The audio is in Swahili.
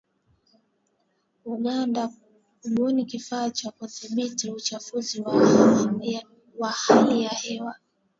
Uganda kubuni kifaa cha kudhibiti uchafuzi wa hali ya hewa